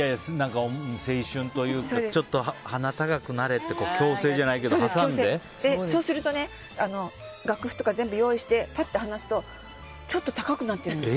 青春というかちょっと鼻高くなれってそうすると楽譜とか全部用意してパッと離すとちょっと高くなってるんです。